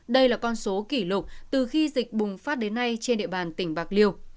đây là con số kỷ lục từ khi dịch bùng phát đến nay trên địa bàn tỉnh bạc liêu